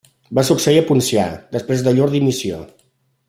Va succeir a Poncià després de llur dimissió.